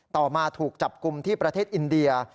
ต่อมาถูกจับกลุ่มที่ประเทศอินเดีย